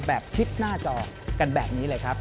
แบบคิดหน้าจอกันแบบนี้เลยครับ